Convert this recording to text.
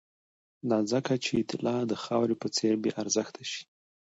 دا ځکه چې طلا د خاورې په څېر بې ارزښته شي